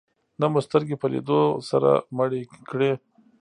نه مو سترګې په لیدو سره مړې کړې.